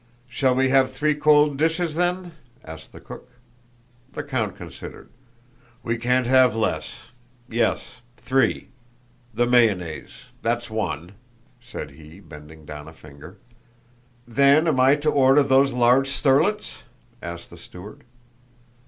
"Shall we have three cold dishes then?" asked the cook. The count considered. "We can't have less—yes, three... the mayonnaise, that's one," said he, bending down a finger. "Then am I to order those large sterlets?" asked the steward.